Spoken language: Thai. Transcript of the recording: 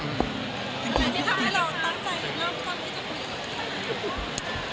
อะไรที่ทำให้เราตั้งใจรับความคิดจากคุณ